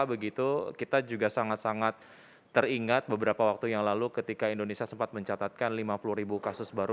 begitu kita juga sangat sangat teringat beberapa waktu yang lalu ketika indonesia sempat mencatatkan lima puluh kasus baru di covid sembilan belas pada saat delta varian